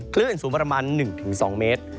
คลื่นสูงประมาณ๑๒เมตร